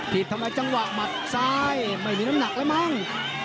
ทำไมจังหวะหมัดซ้ายไม่มีน้ำหนักแล้วมั้ง